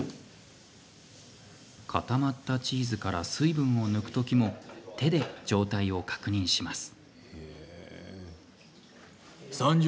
固まったチーズから水分を抜くときも手で状態を確認します。